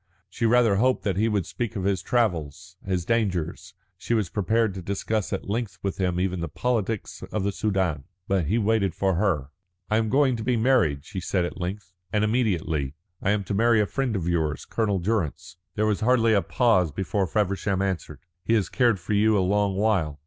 She rather hoped that he would speak of his travels, his dangers; she was prepared to discuss at length with him even the politics of the Soudan. But he waited for her. "I am going to be married," she said at length, "and immediately. I am to marry a friend of yours, Colonel Durrance." There was hardly a pause before Feversham answered: "He has cared for you a long while.